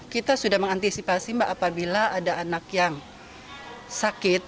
kita sudah mengantisipasi mbak apabila ada anak yang sakit